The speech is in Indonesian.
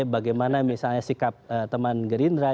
bagaimana misalnya sikap teman gerindra